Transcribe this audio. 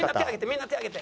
みんな手上げて。